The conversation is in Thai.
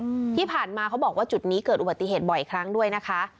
อืมที่ผ่านมาเขาบอกว่าจุดนี้เกิดอุบัติเหตุบ่อยครั้งด้วยนะคะ